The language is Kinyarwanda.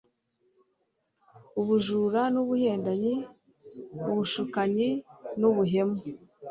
ubujura n'ubuhendanyi, ubushukanyi n'ubuhemu